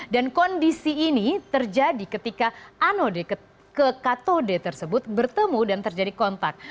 dan kondisi ini terjadi ketika anode ke kathode tersebut bertemu dan terjadi kontak